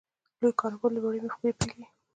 لوی کاروبار له وړې مفکورې پیلېږي